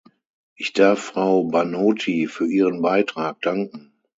Ich darf Frau Banotti für ihren Beitrag danken.